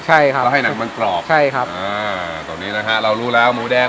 ใช่ครับแล้วให้หนังมันกรอบใช่ครับอ่าตอนนี้นะฮะเรารู้แล้วหมูแดง